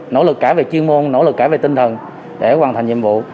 nỗ lực cả về chuyên môn nỗ lực cả về tinh thần để hoàn thành nhiệm vụ